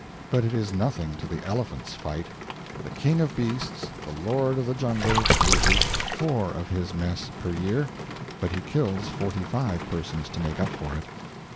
But it is nothing to the elephant's fight. The king of beasts, the lord of the jungle, loses four of his mess per year, but he kills forty five persons to make up for it.